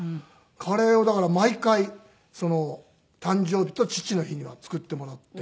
カレーをだから毎回誕生日と父の日には作ってもらって。